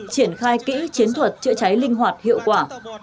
triển khai kỹ chiến thuật chữa cháy linh hoạt hiệu quả